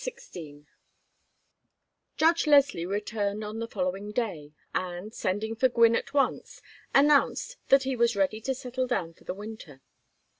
XVI Judge Leslie returned on the following day, and, sending for Gwynne at once, announced that he was ready to settle down for the winter.